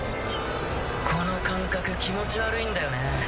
この感覚気持ち悪いんだよね。